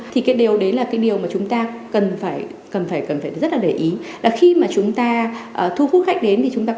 thì cái điều đấy là cái điều mà chúng ta cần phải rất là để ý là khi mà chúng ta thu hút khách đến